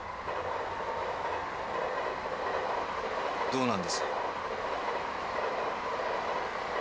どうなんです？